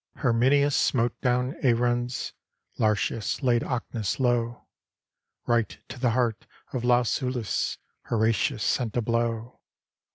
Herminius smote down Aruns: Lartius laid Ocnus low: Right to the heart of Lausulus Horatius sent a blow.